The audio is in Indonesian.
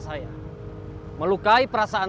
bagaimana dengan tugas kalian